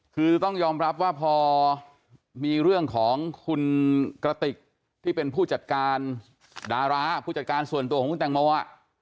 คือต้องยอมรับว่าพอมีเรื่องของคุณกระติกที่เป็นผู้จัดการดาราผู้จัดการส่วนตัวของคุณแตงโม